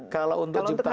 kalau untuk ciptaan